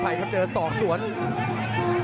หมดยกที่สองครับ